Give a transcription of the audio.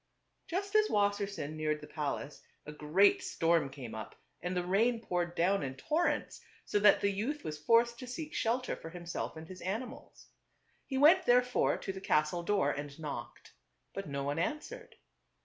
Just as Wassersein neared the palace a great storm came up and the rain poured down in tor rents, so that the youth was forced to seek shelter for himself and his animals. He went therefore to the castle door and knocked ; but no one an swered.